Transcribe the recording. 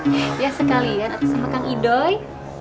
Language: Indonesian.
ya sekalian aku sama kang idoi